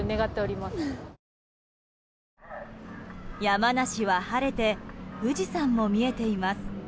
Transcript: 山梨は晴れて富士山も見えています。